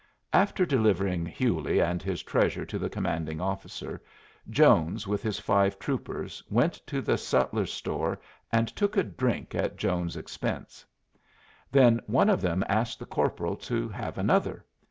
After delivering Hewley and his treasure to the commanding officer, Jones with his five troopers went to the sutler's store and took a drink at Jones's expense. Then one of them asked the corporal to have another.